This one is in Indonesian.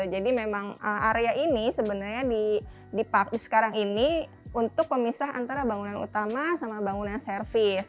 jadi memang area ini sebenarnya di sekarang ini untuk pemisah antara bangunan utama sama bangunan service